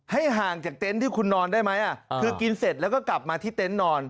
ห่างจากเต็นต์ที่คุณนอนได้ไหมคือกินเสร็จแล้วก็กลับมาที่เต็นต์นอน